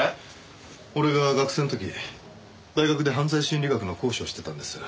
俺が学生の時大学で犯罪心理学の講師をしてたんです。